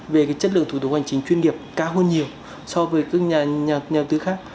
về chất lượng thủ tục hành chính chuyên nghiệp cao hơn nhiều so với các nhà đầu tư khác